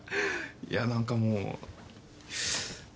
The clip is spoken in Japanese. いや何かもう。